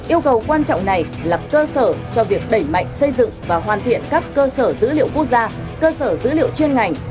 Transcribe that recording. yêu cầu quan trọng này là cơ sở cho việc đẩy mạnh xây dựng và hoàn thiện các cơ sở dữ liệu quốc gia cơ sở dữ liệu chuyên ngành